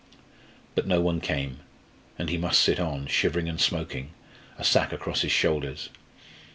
But no one came, and he must sit on, shivering and smoking, a sack across his shoulders.